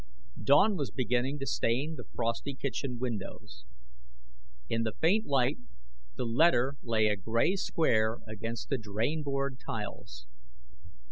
Dawn was beginning to stain the frosty kitchen windows. In the faint light, the letter lay a gray square against the drain board tiles.